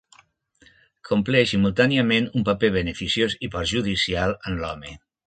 Compleix simultàniament un paper beneficiós i perjudicial en l'home.